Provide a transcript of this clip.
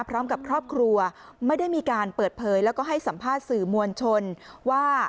พร้อมกับครอบครัวไม่ได้มีการเปิดเผยแล้วก็ให้สัมภาษณ์สื่อมวลชนว่า